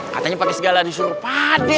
katanya pakai segala disuruh pade